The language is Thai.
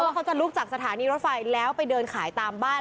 เขาจะลุกจากสถานีรถไฟแล้วไปเดินขายตามบ้าน